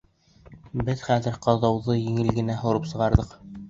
Беҙ хәҙер ҡаҙауҙы еңел генә һурып сығарҙыҡ.